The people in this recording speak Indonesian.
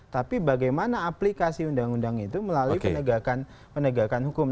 tapi bagaimana aplikasi undang undang itu melalui penegakan hukum